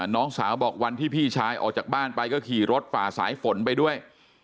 น้องสาวบอกวันที่พี่ชายออกจากบ้านไปก็ขี่รถฝ่าสายฝนไปด้วย